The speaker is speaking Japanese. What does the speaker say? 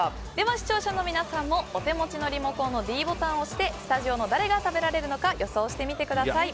視聴者の皆さんもお手持ちのリモコンのｄボタンを押してスタジオの誰が食べられるか予想してみてください。